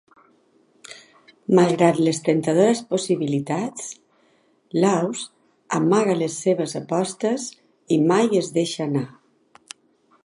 Malgrat les temptadores possibilitats, Laws amaga les seves apostes i mai es deixa anar.